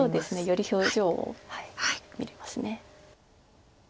より表情を見れます。